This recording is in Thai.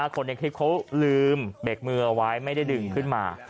คนในคลิปเขาลืมเบรกมือเอาไว้ไม่ได้ดึงขึ้นมา